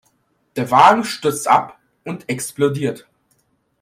Der Wagen stürzt ab und explodiert.